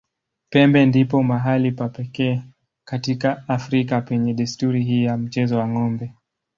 Pemba ndipo mahali pa pekee katika Afrika penye desturi hii ya mchezo wa ng'ombe.